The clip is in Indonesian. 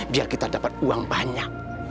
biar kita dapat uang banyak